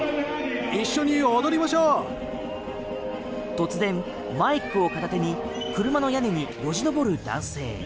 突然、マイクを片手に車の屋根によじ登る男性。